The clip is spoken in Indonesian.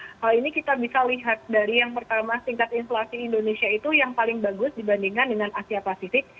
kalau ini kita bisa lihat dari yang pertama tingkat inflasi indonesia itu yang paling bagus dibandingkan dengan asia pasifik